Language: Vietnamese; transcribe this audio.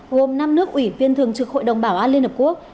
gồm năm nước ủy viên thường trực hội đồng bảo an liên hợp quốc